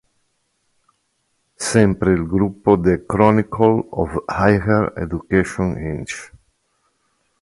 Sempre il gruppo The Chronicle of Higher Education Inc.